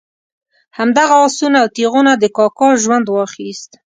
همدغه آسونه او تیغونه د کاکا ژوند واخیست.